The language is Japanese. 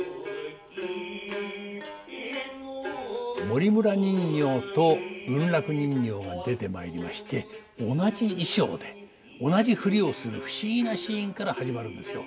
森村人形と文楽人形が出てまいりまして同じ衣裳で同じ振りをする不思議なシーンから始まるんですよ。